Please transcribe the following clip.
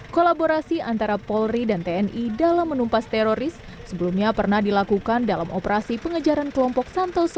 kolaborasi antara polri dan tni dalam menumpas teroris sebelumnya pernah dilakukan dalam operasi pengejaran kelompok santoso